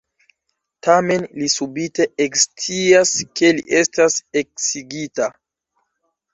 Tamen, li subite ekscias, ke li estas eksigita.